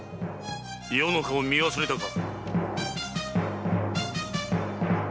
余の顔を見忘れたか？